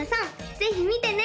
ぜひ見てね！